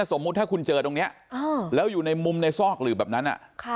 สมมุติถ้าคุณเจอตรงนี้แล้วอยู่ในมุมในซอกหลืบแบบนั้น